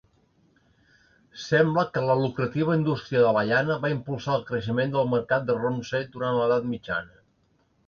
Sembla que la lucrativa indústria de la llana va impulsar el creixement del mercat de Romsey durant l'Edat Mitjana.